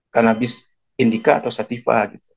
kanabis indica atau sativa